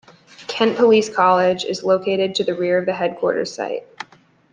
Kent Police College is located to the rear of the headquarters site.